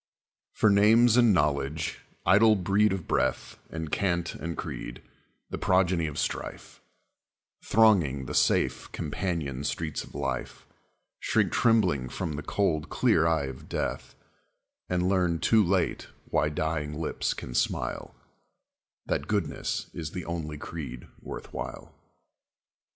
For names and knowledge, idle breed of breath, And cant and creed, the progeny of strife, Thronging the safe, companioned streets of life, Shrink trembling from the cold, clear eye of death, And learn too late why dying lips can smile: That goodness is the only creed worth while.